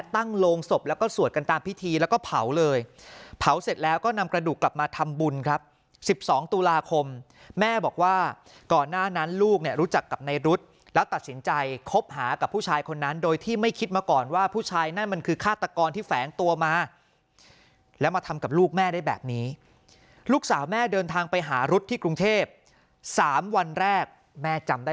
โรงศพแล้วก็สวดกันตามพิธีแล้วก็เผาเลยเผาเสร็จแล้วก็นำกระดูกกลับมาทำบุญครับ๑๒ตุลาคมแม่บอกว่าก่อนหน้านั้นลูกเนี่ยรู้จักกับในรุ๊ดแล้วตัดสินใจคบหากับผู้ชายคนนั้นโดยที่ไม่คิดมาก่อนว่าผู้ชายนั่นมันคือฆาตกรที่แฝงตัวมาแล้วมาทำกับลูกแม่ได้แบบนี้ลูกสาวแม่เดินทางไปหารุษที่กรุงเทพ๓วันแรกแม่จำได้